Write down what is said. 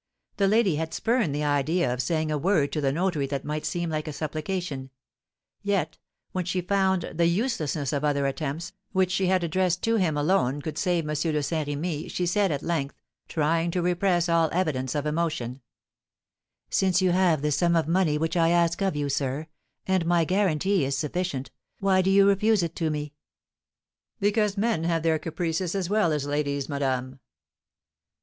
The lady had spurned the idea of saying a word to the notary that might seem like a supplication; yet, when she found the uselessness of other attempts, which she had addressed to him who alone could save M. de Saint Remy, she said, at length, trying to repress all evidence of emotion: "Since you have the sum of money which I ask of you, sir, and my guarantee is sufficient, why do you refuse it to me?" "Because men have their caprices, as well as ladies, madame."